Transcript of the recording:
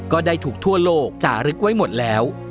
ก็ได้ถูกทั่วโลกจารึกไว้หมดแล้ว